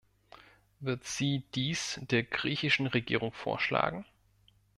Wird sie dies der griechischen Regierung vorschlagen?